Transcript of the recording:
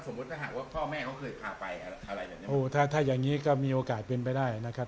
ถ้าหากว่าพ่อแม่เขาเคยพาไปอะไรแบบนี้โอ้ถ้าถ้าอย่างงี้ก็มีโอกาสเป็นไปได้นะครับ